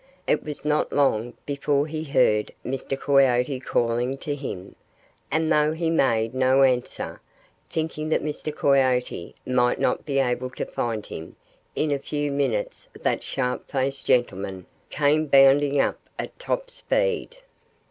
It was not long before he heard Mr. Coyote calling to him. And though he made no answer, thinking that Mr. Coyote might not be able to find him, in a few minutes that sharp faced gentleman came bounding up at top speed.